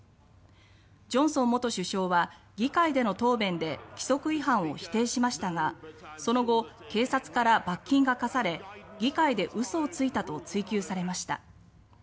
ジョンソン元首相は議会での答弁で規則違反を否定しましたがその後警察から罰金が科され「議会で嘘をついた」と追及されました。